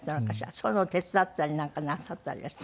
そういうのを手伝ったりなんかなさったりはした？